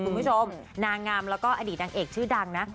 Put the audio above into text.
คุณผู้ชมนางงามแล้วก็อดีตนางเอกชื่อดังนะ